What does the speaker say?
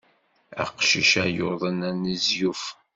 Aqcic-a yuḍen anezyuf.